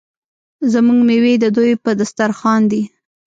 زموږ میوې د دوی په دسترخان دي.